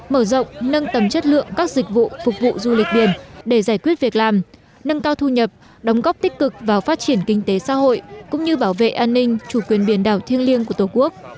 mở rộng nâng tầm chất lượng các dịch vụ phục vụ du lịch biển để giải quyết việc làm nâng cao thu nhập đóng góp tích cực vào phát triển kinh tế xã hội cũng như bảo vệ an ninh chủ quyền biển đảo thiêng liêng của tổ quốc